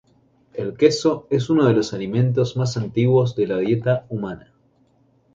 El queso es uno de los alimentos más antiguos de la dieta humana.